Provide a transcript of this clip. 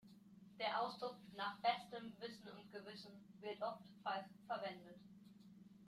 Der Ausdruck "nach bestem Wissen und Gewissen" wird oft falsch verwendet.